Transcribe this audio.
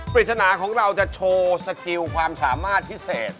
ปริศนาของเราจะโชว์สกิลความสามารถพิเศษ